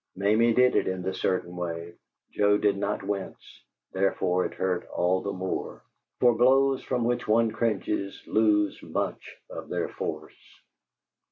Mamie did it in the certain way. Joe did not wince, therefore it hurt all the more, for blows from which one cringes lose much of their force.